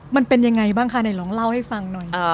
มันเป็นยังไงบ้างคะไหนลองเล่าให้ฟังหน่อย